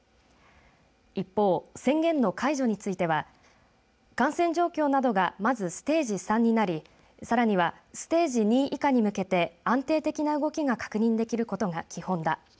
一方、宣言の解除については感染状況などがまずステージ３になりさらにはステージ２以下に向けて安定的な動きが確認できることが基本だ。